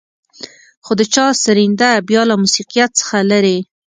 خو د چا سرېنده بيا له موسيقيت څخه لېرې.